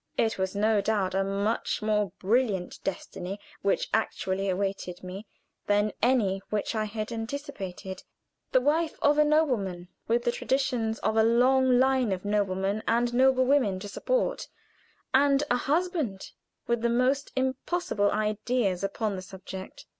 It was no doubt a much more brilliant destiny which actually awaited me than any which I had anticipated the wife of a nobleman, with the traditions of a long line of noblemen and noblewomen to support, and a husband with the most impossible ideas upon the subject.